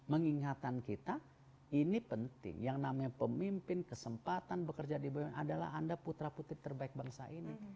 mengingatkan kita ini penting yang namanya pemimpin kesempatan bekerja di bumn adalah anda putra putri terbaik bangsa ini